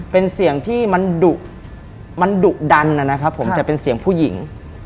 เป็นเสียงที่มันดุมันดุดันนะครับผมแต่เป็นเสียงผู้หญิง